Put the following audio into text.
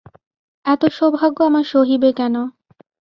এত সৌভাগ্য আমার সহিবে কেন?